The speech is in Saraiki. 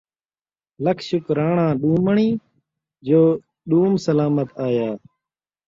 لکھ شکراݨاں ݙومݨیں ، جو ݙوم سلامت آیا